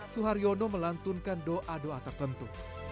suharyono melantunkan doa doa tertentu